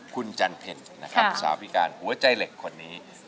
คุณจันเพ็ญนะครับสาวพิการหัวใจเหล็กคนนี้